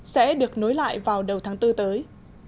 sẽ được nối lại vào đầu tháng bốn tới